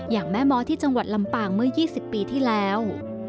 อย่างแม่ม้อที่จังหวัดลำปางเมื่อ๒๐ปีที่แล้ว